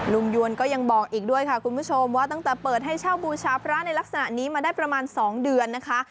ยวนก็ยังบอกอีกด้วยค่ะคุณผู้ชมว่าตั้งแต่เปิดให้เช่าบูชาพระในลักษณะนี้มาได้ประมาณ๒เดือนนะคะ